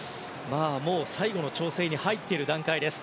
もう最後の調整に入っている段階です。